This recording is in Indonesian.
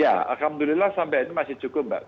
ya alhamdulillah sampai ini masih cukup mbak